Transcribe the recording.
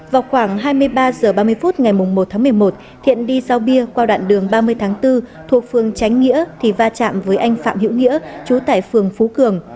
vào khoảng hai mươi ba h ba mươi phút ngày một tháng một mươi một thiện đi giao bia qua đoạn đường ba mươi tháng bốn thuộc phương tránh nghĩa thì va chạm với anh phạm hữu nghĩa trú tại phường phú cường